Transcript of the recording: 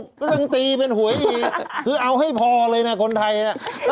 ก็ยังตีเป็นหวยอีกคือเอาให้พอเลยนะคนไทยน่ะ